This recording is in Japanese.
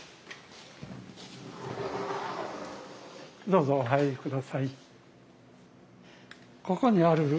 どうぞお入り下さい。